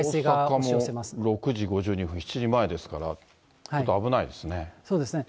大阪も６時５２分、７時前ですから、ちょっと危ないですね。